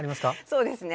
そうですね。